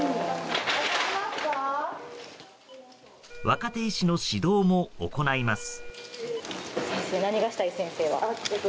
若手医師の指導も行います。